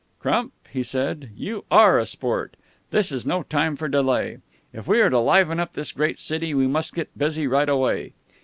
"Crump," he said, "you are a sport. This is no time for delay. If we are to liven up this great city, we must get busy right away.